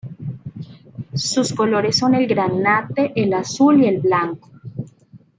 Sus colores son el granate, el azul y el blanco.